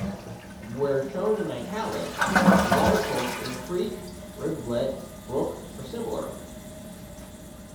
Where shown in "italics", the watercourse is a creek, rivulet, brook, or similar.